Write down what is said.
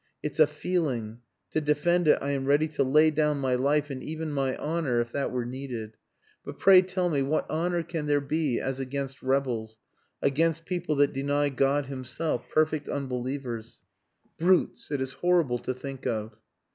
It's a feeling. To defend it I am ready to lay down my life and even my honour if that were needed. But pray tell me what honour can there be as against rebels against people that deny God Himself perfect unbelievers! Brutes. It is horrible to think of."